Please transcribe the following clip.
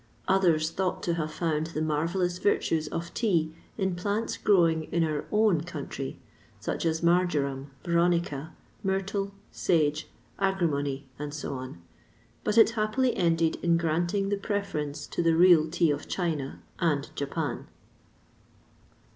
Others thought to have found the marvellous virtues of tea in plants growing in our own country, such as marjoram, veronica, myrtle, sage, agrimony, &c. but it happily ended in granting the preference to the real tea of China and Japan.